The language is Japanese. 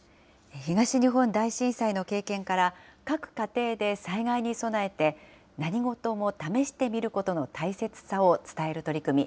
東日本大震災の経験から、各家庭で災害に備えて、何事も試してみることの大切さを伝える取り組み。